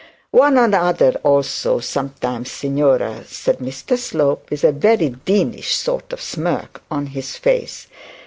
'One another also, sometimes, signora,' said Mr Slope, with a deanish sort of smirk on his face.